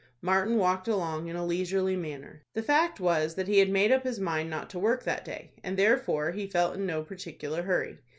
Martin walked along in a leisurely manner. The fact was that he had made up his mind not to work that day, and therefore he felt in no particular hurry.